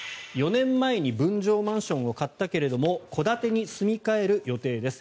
４年前に分譲マンションを買ったけれども戸建てに住み替える予定です